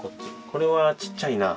これはちっちゃいな。